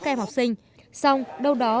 các em học sinh xong đâu đó